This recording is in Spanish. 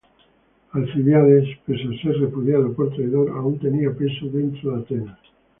Alcibíades, pese a ser repudiado por traidor, aún tenía peso dentro de Atenas.